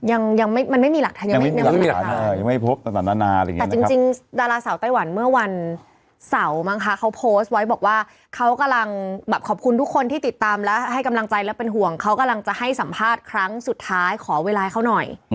ยังไม่มีหลักฐานยังไม่พบแต่จริงดาราเสาไต้หวันเมื่อวันเสาร์มั้งคะเขาโพสต์ไว้บอกว่าเขากำลังแบบขอบคุณทุกคนที่ติดตามแล้วให้กำลังใจและเป็นห่วงเขากำลังจะให้สัมภาษณ์ครั้งสุดท้ายขอเวลาเขาน่อย